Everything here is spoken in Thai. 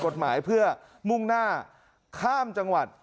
กฎหมายเพื่อมุ่งหน้าข้ามจังหวัด